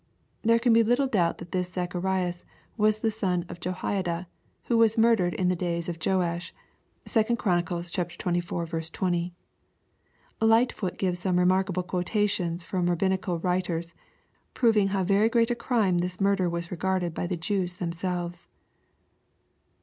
'X There can be little doubt that this Zacharias was the son of Jenoiada, who was murdered in the days of Joash. (2 Chron. xxiv. 20.) Lightfoot gives some remarkable quotations from Rabbinical writers, proving how very great a crime this murder was regarded by the Jews themselves.